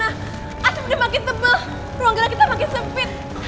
aduh udah makin tebel ruang gerak kita makin sempit